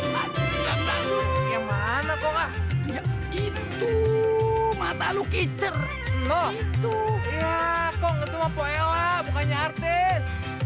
mana kok itu mata lu kecer itu kok bukannya artis